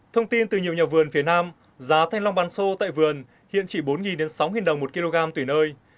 thông tin từ nhiều nhà vườn phía nam giá thanh long bàn sô tại vườn hiện chỉ bốn sáu đồng một kg tùy nơi